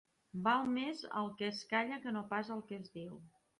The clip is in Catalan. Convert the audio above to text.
Val més el que es calla que no pas el que es diu.